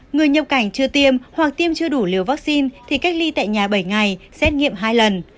người nhập cảnh chưa tiêm hoặc tiêm chưa đủ liều vaccine thì cách ly tại nhà bảy ngày xét nghiệm hai lần